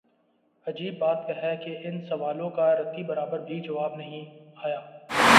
عجیب بات ہے کہ ان سوالوں کا رتی برابر بھی جواب نہیںآیا۔